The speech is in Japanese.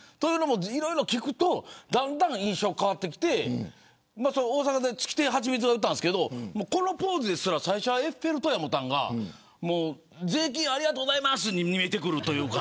いろいろ聞くとだんだん印象が変わってきて大阪で月亭八光が言ってたんですけどこのポーズですら最初はエッフェル塔だと思ったのが税金ありがとうございますに見えてくるというか。